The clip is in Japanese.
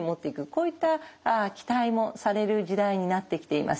こういった期待もされる時代になってきています。